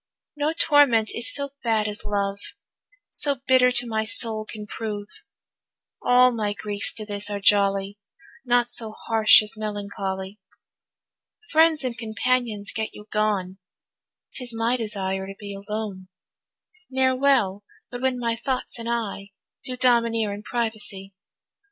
No torment is so bad as love, So bitter to my soul can prove. All my griefs to this are jolly, Naught so harsh as melancholy. Friends and companions get you gone, 'Tis my desire to be alone; Ne'er well but when my thoughts and I Do domineer in privacy.